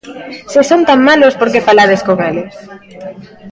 Se son tan malos, porque falades con eles.